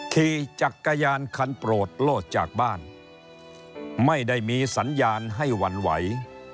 ขี่จักรยานคันโปรดโลดจากบ้านไม่ได้มีสัญญาณให้หวั่นไหว